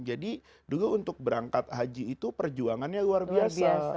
jadi dulu untuk berangkat haji itu perjuangannya luar biasa